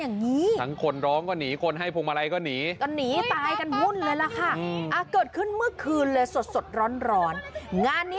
นักร้องก็ร้องดูสิดูสิเต้นสนุกสนาน